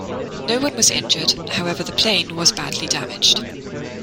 No one was injured, however the plane was badly damaged.